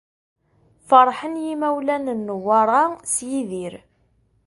Ferḥen yimawlan n Newwara s Yidir.